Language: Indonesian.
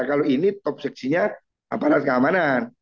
kalau ini top seksinya aparat keamanan